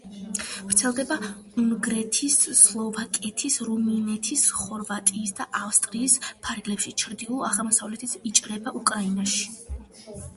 ვრცელდება უნგრეთის, სლოვაკეთის, რუმინეთის, ხორვატიის და ავსტრიის ფარგლებში; ჩრდილო-აღმოსავლეთით იჭრება უკრაინაში.